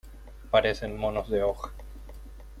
Parecen monos de hoja.